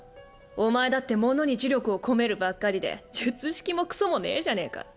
お前だって物に呪力を込めるばっかりで術式もくそもねぇじゃねぇか。